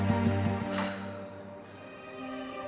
lo sudah nunggu